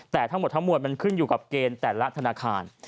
แต่ทั้งหมดทั้งมวลมันขึ้นอยู่กับเกณฑ์แต่ละธนาคาร